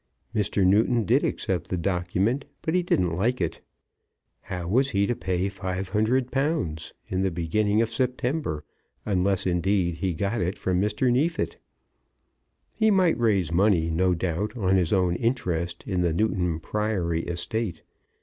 Mr. Newton did accept the document, but he didn't like it. How was he to pay £500 in the beginning of September, unless indeed he got it from Mr. Neefit? He might raise money, no doubt, on his own interest in the Newton Priory estate.